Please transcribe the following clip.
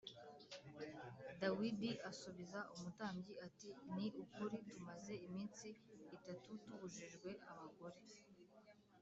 Dawidi asubiza umutambyi ati “Ni ukuri tumaze iminsi itatu tubujijwe abagore.